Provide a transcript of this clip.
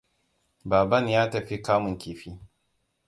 Baban ya tafi kamun kifi.